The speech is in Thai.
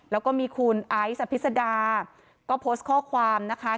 แล้วก็มีคุณไอซ์อภิษดาก็โพสต์ข้อความนะคะ